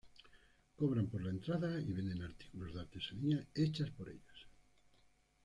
Cobran por la entrada y venden artículos de artesanía hechas por ellas.